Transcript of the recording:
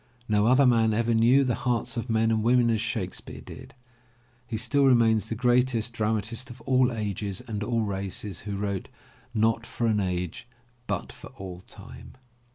No other man ever knew the hearts of men and women as Shakespeare did. He still remains the greatest dramatist of all ages and all races who wrote not for an age but for all time".